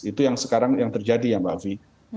itu yang sekarang yang terjadi ya mbak afi